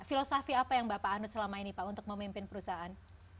filosofi apa yang bapak anut selama ini pak untuk memimpin perusahaan